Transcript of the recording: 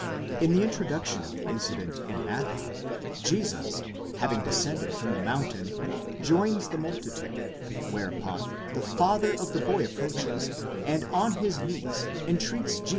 4° In the introduction of the incident in Matthew, Jesus, having descended from the mountain, joins the multitude (ὄχλος), , whereupon the father of the boy approaches, and on his knees entreats Jesus 8° Philostr.